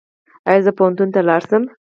ایا زه پوهنتون ته لاړ شم؟